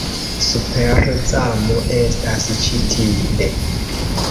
Super-Zamo estas ĉi tie